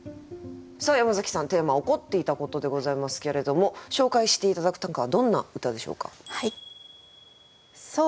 さあ山崎さんテーマ「怒っていたこと」でございますけれども紹介して頂く短歌はどんな歌でしょうか。